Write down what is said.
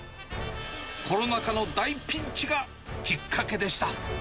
コロナ禍の大ピンチがきっかけでした。